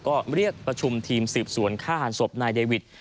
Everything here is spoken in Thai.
ก็เรียกประชุมทีมสืบสวนฆ่าหันศพนายเดวิท